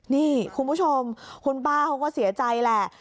นี่คุณผู้ชมคุณป้าเขาก็เสียใจแหละ